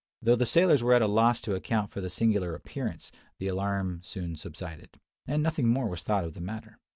Though the sailors were at a loss to account for the singular appearance, the alarm soon subsided; and nothing more was thought of the matter.